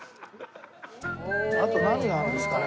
あと何があるんですかね？